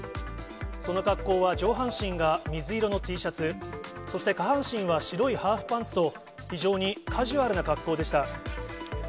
その格好は上半身が水色のＴシャツ、そして下半身は白いハーフパンツと、非常にカジュアルな恰好でした。